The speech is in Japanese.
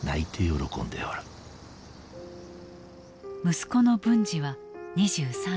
息子の文次は２３歳。